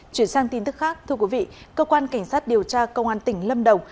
chuyển sang tin tức khác thưa quý vị cơ quan cảnh sát điều tra công an tỉnh lâm đồng